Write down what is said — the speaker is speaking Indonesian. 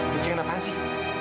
mikirin apaan sih